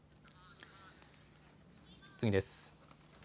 次です。